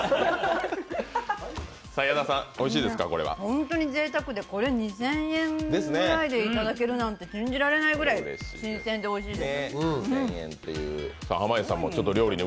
本当にぜいたくで、これ２０００円ぐらいでいただけるなんて信じられないくらい新鮮でおいしいです、おいしい。